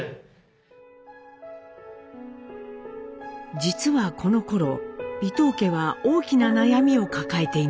実はこのころ伊藤家は大きな悩みを抱えていました。